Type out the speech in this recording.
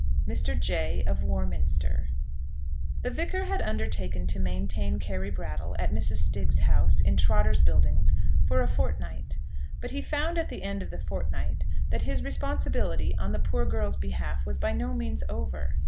MR. JAY OF WARMINSTER. The Vicar had undertaken to maintain Carry Brattle at Mrs. Stiggs's house, in Trotter's Buildings, for a fortnight, but he found at the end of the fortnight that his responsibility on the poor girl's behalf was by no means over.